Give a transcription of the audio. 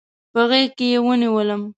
په غیږکې ونیولم